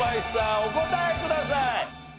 お答えください。